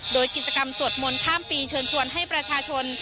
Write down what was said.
โดยกิจกรรมสวดมนต์ข้ามปีเชิญชวนให้ประชาชน